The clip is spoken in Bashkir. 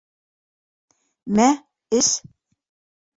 — Мә, эс.